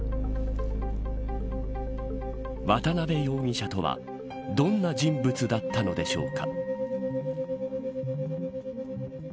渡辺容疑者とはどんな人物だったのでしょうか。